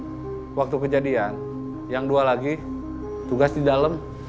kemudian waktu kejadian yang dua lagi tugas di dalam